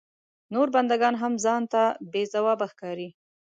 نور بنده ګان هم ځان ته بې ځوابه ښکاري.